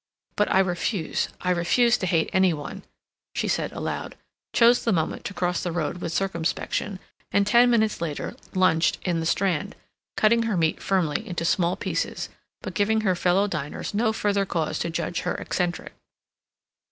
"But I refuse—I refuse to hate any one," she said aloud; chose the moment to cross the road with circumspection, and ten minutes later lunched in the Strand, cutting her meat firmly into small pieces, but giving her fellow diners no further cause to judge her eccentric.